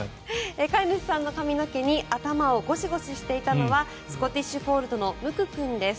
飼い主さんの髪の毛に頭をゴシゴシしていたのはスコティッシュフォールドのむく君です。